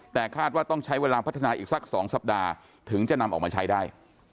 แต่คาดว่าต้องใช้เวลาพัฒนาอีกสัก๒สัปดาห์ถึงจะนำออกมาใช้ได้